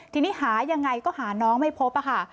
ทีนี้หายังไงก็หาน้องไม่พบค่ะ